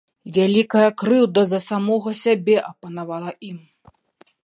Вялікая крыўда за самога сябе апанавала ім.